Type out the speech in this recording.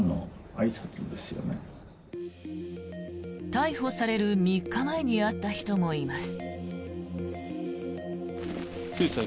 逮捕される３日前に会った人もいます。